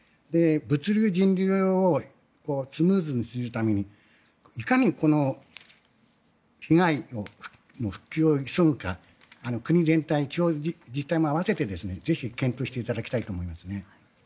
物流、人流をスムーズにするためにいかにこの被害の復旧を急ぐか国全体、地方自治体も合わせてぜひ検討していただきたいと思いますね。